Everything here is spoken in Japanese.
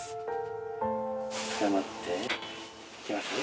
つかまっていきますよ。